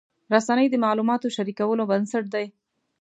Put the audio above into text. رسنۍ د معلوماتو شریکولو بنسټ دي.